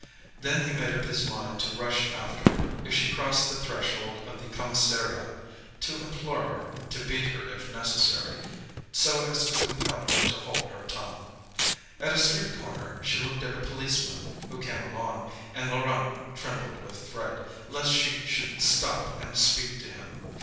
Then he made up his mind to rush after her, if she crossed the threshold of the commissariat, to implore her, to beat her if necessary, so as to compel her to hold her tongue. At a street corner she looked at a policeman who came along, and Laurent trembled with fright, lest she should stop and speak to him.